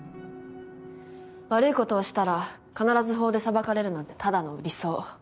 悪いことをしたら必ず法で裁かれるなんてただの理想。